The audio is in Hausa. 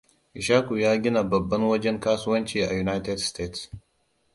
Ishaku ya gina babban wajen kasuwanci a United Stated.